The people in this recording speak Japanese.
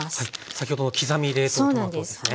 先ほどの刻み冷凍トマトですね。